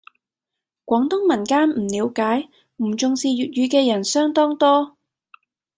廣東民間唔了解、唔重視粵語嘅人相當多